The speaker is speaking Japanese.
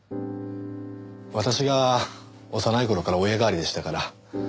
私が幼い頃から親代わりでしたから。